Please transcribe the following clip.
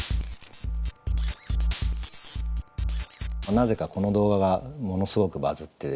なぜかこの動画がものすごくバズってですね